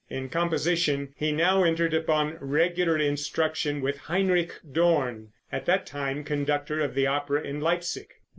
In composition he now entered upon regular instruction with Heinrich Dorn, at that time conductor of the opera in Leipsic.